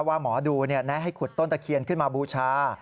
ว่าหมอดูและถนัดให้ขุดต้นตะเคียนขึ้นมาบุชา